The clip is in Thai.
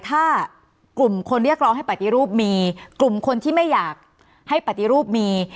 ถ้ากลุ่มคนเรียกร้องให้ปฏิรูปมีกลุ่มคนที่ไม่อยากให้ปฏิรูปมี